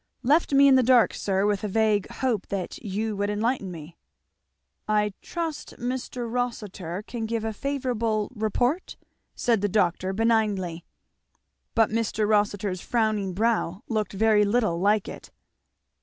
"Left me in the dark, sir, with a vague hope that you would enlighten me." "I trust Mr. Rossitur can give a favourable report?" said the doctor benignly. But Mr. Rossitur's frowning brow looked very little like it.